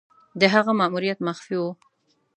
د هغه ماموریت مخفي وو.